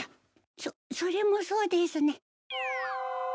そそれもそうですね。